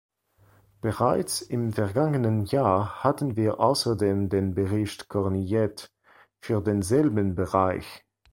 Bereits im vergangenen Jahr hatten wir außerdem den Bericht Cornillet für denselben Bereich.